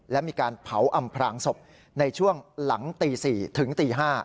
และมีการเผาอำพลางศพในช่วงหลังตี๔ถึงตี๕